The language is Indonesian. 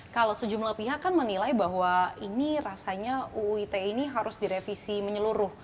kalau sejumlah pihak kan menilai bahwa ini rasanya uu ite ini harus direvisi menyeluruh